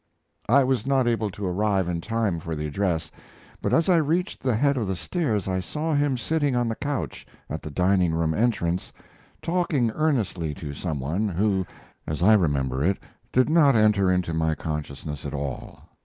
I was not able to arrive in time for the address, but as I reached the head of the stairs I saw him sitting on the couch at the dining room entrance, talking earnestly to some one, who, as I remember it, did not enter into my consciousness at all.